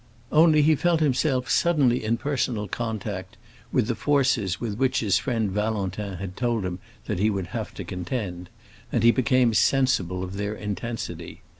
Only he felt himself suddenly in personal contact with the forces with which his friend Valentin had told him that he would have to contend, and he became sensible of their intensity.